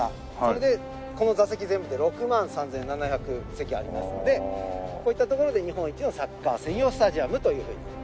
それでこの座席全部で６万３７００席ありますのでこういったところで日本一のサッカー専用スタジアムというふうに。